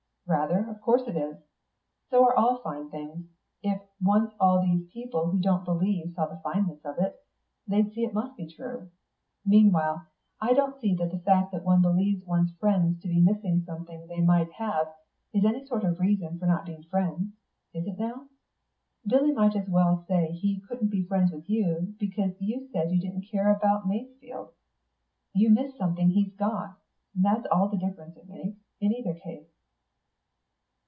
"Rather, of course it is. So are all fine things. If once all these people who don't believe saw the fineness of it, they'd see it must be true. Meanwhile, I don't see that the fact that one believes one's friends to be missing something they might have is any sort of reason for not being friends. Is it now? Billy might as well say he couldn't be friends with you because you said you didn't care about Masefield. You miss something he's got; that's all the difference it makes, in either case."